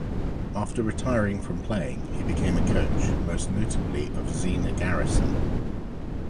After retiring from playing, he became a coach, most notably of Zina Garrison.